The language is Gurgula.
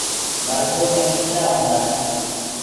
مرجو مي ڪيڙآ هوندآ هين۔